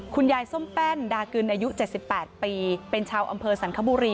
ครุ่นยายส้นแป้นดากลิ้นอายุ๗๘ปีเป็นชาวอำเภอสันคบุรี